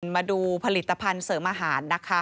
มาดูผลิตภัณฑ์เสริมอาหารนะคะ